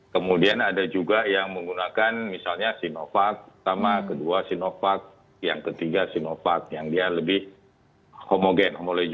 kemudian ada juga yang menggunakan misalnya sinovac sama kedua sinovac yang ketiga sinovac yang dia lebih homogen